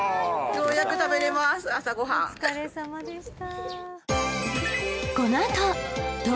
お疲れさまでした。